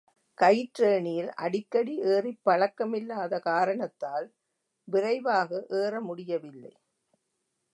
கயிற்றேணியில் அடிக்கடி ஏறிப் பழக்கமில்லாத காரணத்தால் விரைவாக ஏற முடியவில்லை.